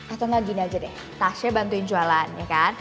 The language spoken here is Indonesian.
atau gak gini aja deh tasya bantuin jualan ya kan